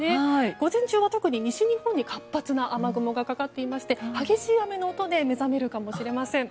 午前中は特に西日本に活発な雨雲がかかっていまして激しい雨の音で目覚めるかもしれません。